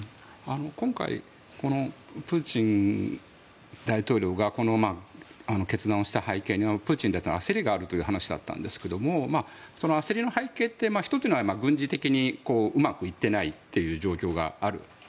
今回、プーチン大統領がこの決断をした背景にはプーチン大統領の焦りがあるという話でしたがその焦りの背景って１つには軍事的にうまくいっていない状況がある。